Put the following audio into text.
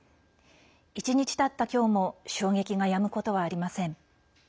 １日たった今日も衝撃がやむことはありません。